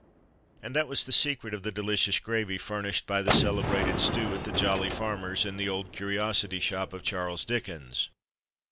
And that was the secret of the "delicious gravy" furnished by the celebrated stew at the "Jolly Farmers," in The Old Curiosity Shop of Charles Dickens.